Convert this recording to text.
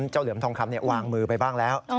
เหลือมทองคำวางมือไปบ้างแล้ว